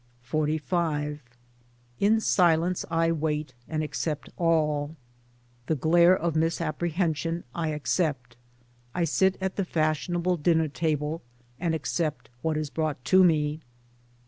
XLV In silence I wait and accept all — the glare of misap prehension I accept — I sit at the fashionable dinner table and accept what is brought to me.